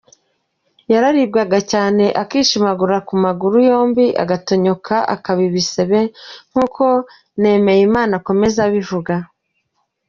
Araribwaga cyane, akishimagura ku maguru yombi agatonyoka akaba ibisebe; nk’uko Nemeyimana akomeza abivuga.